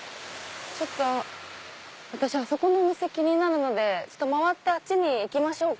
ちょっと私あそこのお店気になるので回ってあっちに行きましょうか。